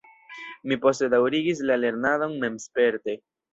Mi poste daŭrigis la lernadon memsperte.